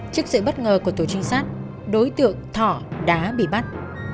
trước sự bất ngờ của tổ trinh sát đối tượng thỏ đã bị bắt